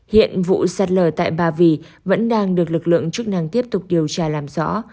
hiện vụ sạt lở tại ba vì vẫn đang được lực lượng chức năng tiếp tục điều tra làm rõ